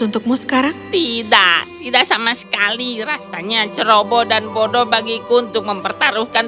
untukmu sekarang tidak tidak sama sekali rasanya ceroboh dan bodoh bagiku untuk mempertaruhkan